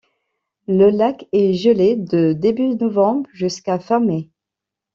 Le lac est gelé de début novembre jusqu'à fin mai.